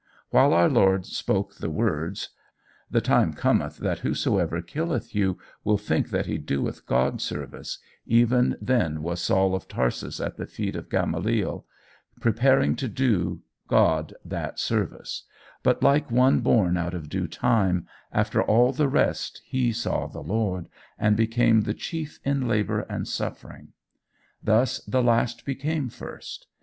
While our Lord spoke the words: The time cometh that whosoever killeth you will think that he doeth God service, even then was Saul of Tarsus at the feet of Gamaliel, preparing to do God that service; but like one born out of due time, after all the rest he saw the Lord, and became the chief in labour and suffering. Thus the last became first.